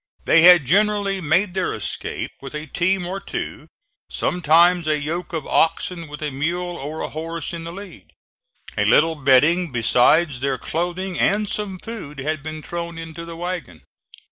They had generally made their escape with a team or two, sometimes a yoke of oxen with a mule or a horse in the lead. A little bedding besides their clothing and some food had been thrown into the wagon.